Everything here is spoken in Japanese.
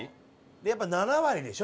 やっぱ７割でしょ？